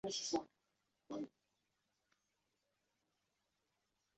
龙艳是一名中国女子花样游泳运动员。